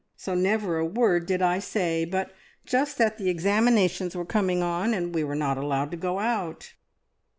So never a word did I say, but just that the examinations were coming on, and we were not allowed to go out."